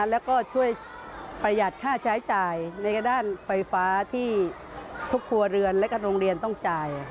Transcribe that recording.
แล้วก็ช่วยประหยัดค่าใช้จ่ายในด้านไฟฟ้าที่ทุกครัวเรือนและก็โรงเรียนต้องจ่าย